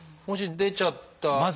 もし出ちゃったら。